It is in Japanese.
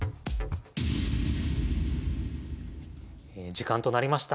時間となりました。